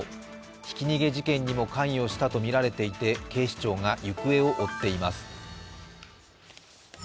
ひき逃げ事件にも関与したとみられていて、警視庁が行方を追っています。